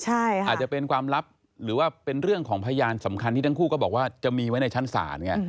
อาจจะเป็นความลับหรือว่าเป็นเรื่องของพยานสำคัญที่ทั้งคู่ก็บอกว่าจะมีไว้ในชั้นศาลไง